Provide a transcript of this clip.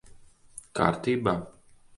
Kārtībā?